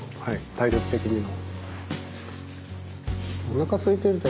体力的にも。